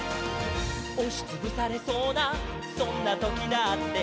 「おしつぶされそうなそんなときだって」